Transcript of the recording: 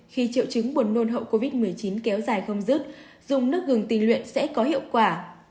khi triệu chứng buồn nôn hậu covid một mươi chín kéo dài không rứt dùng nước gừng tình luyện sẽ có hiệu quả